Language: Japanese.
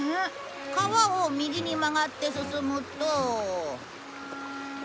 川を右に曲がって進むと。